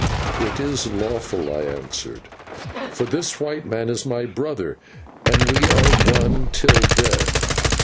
"It is lawful," I answered, "for this white man is my brother, and we are one till death.